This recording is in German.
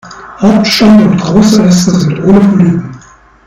Hauptstamm und große Äste sind ohne Polypen.